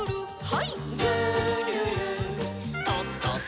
はい。